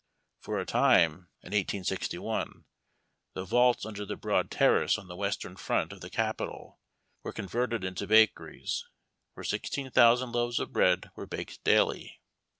For a time, in 1861, the vaults under the broad terrace on the western front of the Capitol were con verted into bakeries, where sixteen thousand loaves of bread were baked daily.